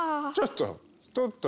ちょっと！